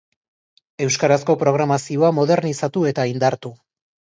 Euskarazko programazioa modernizatu eta indartu.